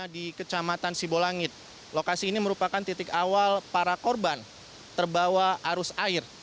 di kecamatan sibolangit lokasi ini merupakan titik awal para korban terbawa arus air